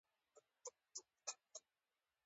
په شلمه پېړۍ کې غورځنګ رامنځته شول.